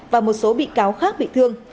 và một số bị cáo khác bị thương